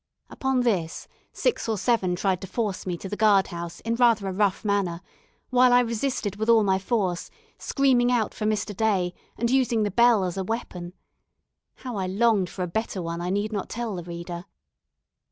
Upon this, six or seven tried to force me to the guard house in rather a rough manner, while I resisted with all my force, screaming out for Mr. Day, and using the bell for a weapon. How I longed for a better one I need not tell the reader.